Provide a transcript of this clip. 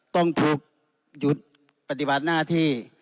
ต้องถูกหยุดปฏิบัติหน้าที่